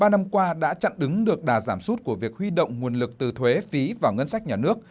ba năm qua đã chặn đứng được đà giảm sút của việc huy động nguồn lực từ thuế phí vào ngân sách nhà nước